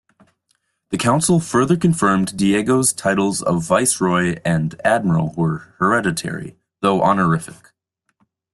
The council further confirmed Diego's titles of Viceroy and admiral were hereditary, though honorific.